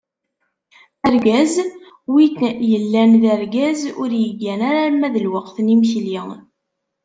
Argaz: “Win yellan d argaz ur iggan ara alamma d lweqt n yimekli."